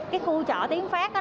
cái khu trọ tiến pháp